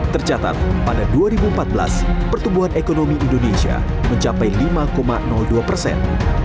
tercatat pada dua ribu empat belas pertumbuhan ekonomi indonesia mencapai lima dua persen